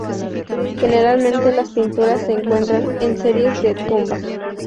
Generalmente las pinturas se encuentran en series de tumbas.